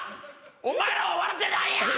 お前らは笑ってないやん。